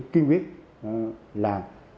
kiên quyết là